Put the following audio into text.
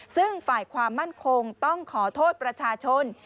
ซึ่งฝ่ายความมั่นคงต้องขอโทษประชาชน